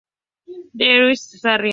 De Ud., Sarriá.